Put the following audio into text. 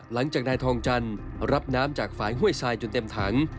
หลังจากนายทองจันทร์รับน้ำจากฝ่ายห้วยทรายจนเต็มถัง